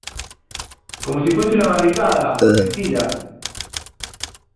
como si fuera una barricada, en fila.